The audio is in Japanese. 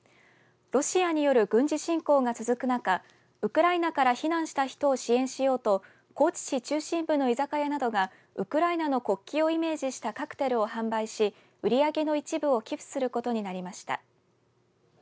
ロシアによる軍事侵攻が続く中ウクライナから避難した人を支援しようと高知市中心部の居酒屋などがウクライナの国旗をイメージしたカクテルを販売し売り上げの一部を寄付することになりました。